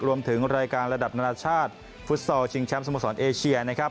รวมถึงรายการระดับนานาชาติฟุตซอลชิงแชมป์สโมสรเอเชียนะครับ